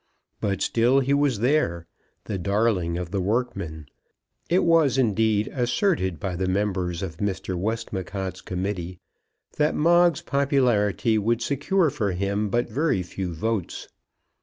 But still he was there, the darling of the workmen. It was, indeed, asserted by the members of Mr. Westmacott's committee that Moggs's popularity would secure for him but very few votes.